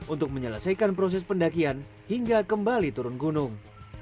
untuk menyelesaikan proses pendakian hingga kembali turun gunung